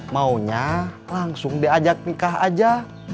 maunya langsung diajak nikah aja